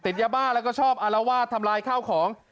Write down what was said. ยาบ้าแล้วก็ชอบอารวาสทำลายข้าวของ